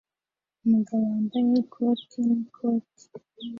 Umugabo wambaye ikoti n'ikoti